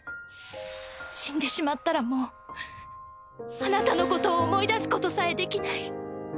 死んでしまったらもうあなたのことを思い出すことさえできない。